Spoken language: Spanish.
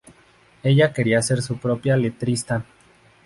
Ella quería ser su propia letrista".